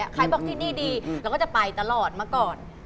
ใครบอกที่นี่ดีเราก็จะไปตลอดมาก่อน